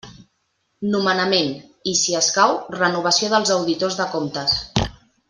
Nomenament i, si escau, renovació dels auditors de comptes.